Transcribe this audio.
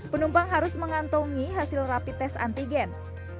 penumpang harus mengantongi hasil rapi tes antigen